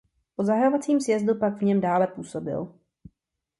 Po zahajovacím sjezdu pak v něm dále působil.